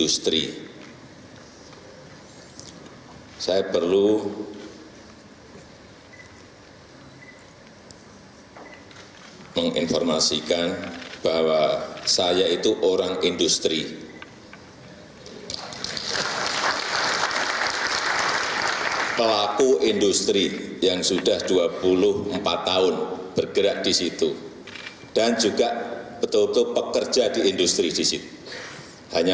saya ingin menanggapi sedikit mengenai saran dari prof didik tadi